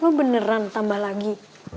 lo beneran tambah lagi